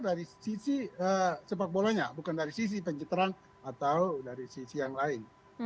dari sisi sepak bolanya bukan dari sisi pencitraan atau dari sisi yang lain